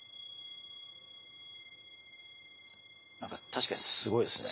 確かにすごいですね。